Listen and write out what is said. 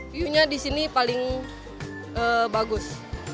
viewnya disini paling bagus